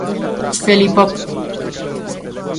Felipop.